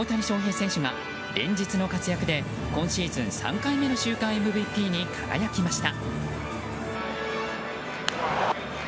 エンゼルスの大谷翔平選手が連日の活躍で今シーズン３回目の週間ＭＶＰに輝きました。